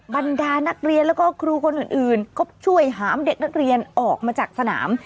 บรรดานักเรียนแล้วก็ครูคนอื่นก็ช่วยหามเด็กนักเรียนออกมาจากสนาม